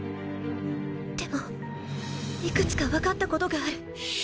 でも幾つか分かったことがある